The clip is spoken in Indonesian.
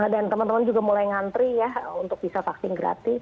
dan teman teman juga mulai ngantri ya untuk bisa vaksin gratis